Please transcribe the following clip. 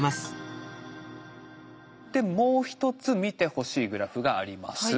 もう一つ見てほしいグラフがあります。